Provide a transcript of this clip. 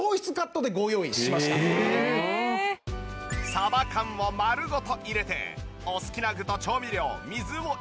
さば缶を丸ごと入れてお好きな具と調味料水を入れ